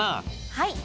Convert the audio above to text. はい。